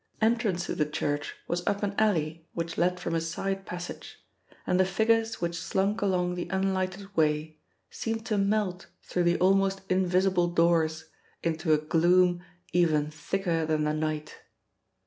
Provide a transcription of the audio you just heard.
Entrance to the church was up an alley which led from a side passage and the figures which slunk along the unlighted way seemed to melt through the almost invisible doors into a gloom even thicker than the night.